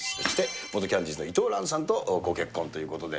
元キャンディーズの伊藤蘭さんとご結婚ということで。